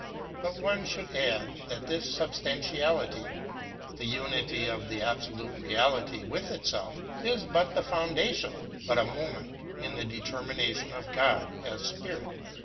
But one should add that this substantiality, the unity of the absolute reality with itself, is but the foundation, but a moment in the determination of God as spirit.